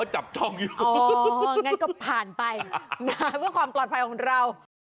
ฮ่า